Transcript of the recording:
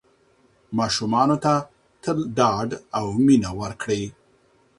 ماشومانو ته تل ډاډ او مینه ورکړئ.